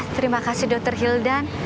terima kasih dr hildan